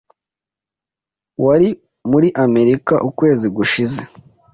Wari muri Amerika ukwezi gushize?